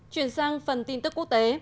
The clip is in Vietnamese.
chuyển sang phần tin tức quốc tế